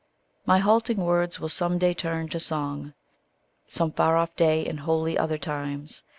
My halting words will some day turn to song Some far off day, in holy other times!